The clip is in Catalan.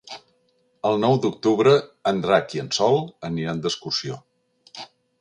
El nou d'octubre en Drac i en Sol aniran d'excursió.